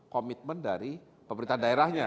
komitmen dari pemerintah daerahnya